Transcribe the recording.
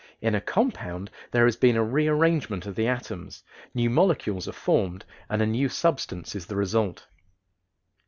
In a compound there has been a rearrangement of the atoms, new molecules are formed, and a new substance is the result.